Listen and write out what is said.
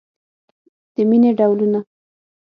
د مینې ډولونه